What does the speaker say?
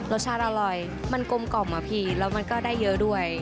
รสชาติอร่อยมันกลมกล่อมอะพี่แล้วมันก็ได้เยอะด้วย